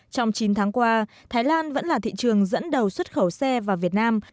trong chín tháng qua thái lan vẫn là thị trường dẫn đầu xuất khẩu xe vào việt nam